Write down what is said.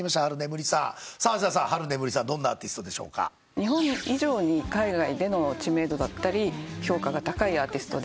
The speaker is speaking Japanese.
日本以上に海外での知名度だったり評価が高いアーティストで。